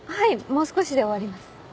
もう少しで終わります。